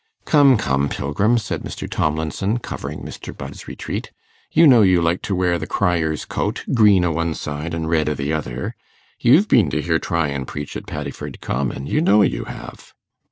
'Come, come, Pilgrim,' said Mr. Tomlinson, covering Mr. Budd's retreat, 'you know you like to wear the crier's coat, green o' one side and red o' the other. You've been to hear Tryan preach at Paddiford Common you know you have.